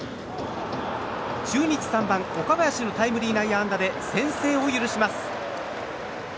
中日３番、岡林のタイムリー内野安打で先制を許します。